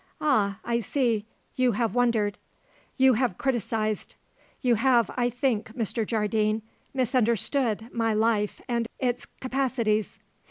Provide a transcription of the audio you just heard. "Ah, I see. You have wondered. You have criticized. You have, I think, Mr. Jardine, misunderstood my life and its capacities.